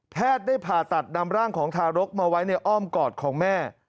ได้ผ่าตัดนำร่างของทารกมาไว้ในอ้อมกอดของแม่